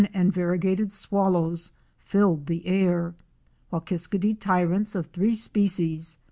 and Variegated "* Swallows filled the air, while Kiskadee Tyrants of three species